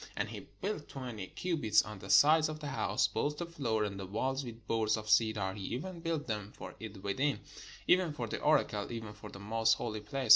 And he built twenty cubits on the sides of the house, both the floor and the walls with boards of cedar: he even built them for it within, even for the oracle, even for the most holy place.